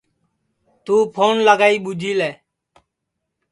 توں پھون لگائی ٻوچھی لے